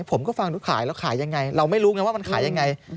ผมก็ฟังดูขายแล้วขายยังไงเราไม่รู้ไงว่ามันขายยังไง